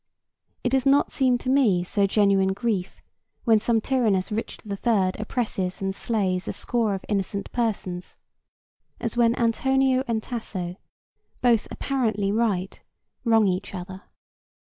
It does not seem to me so genuine grief when some tyrannous Richard the Third oppresses and slays a score of innocent persons, as when Antonio and Tasso, both apparently right, wrong each other.